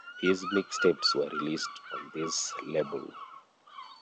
His mixtapes were released on this label.